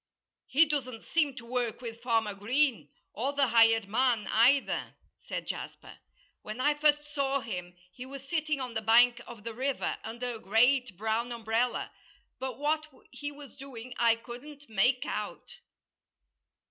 "He doesn't seem to work with Farmer Green, or the hired man, either," said Jasper. "When I first saw him he was sitting on the bank of the river, under a great, brown umbrella. But what he was doing I couldn't make out."